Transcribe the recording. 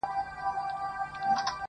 ته له چا څخه په تېښته وارخطا یې!!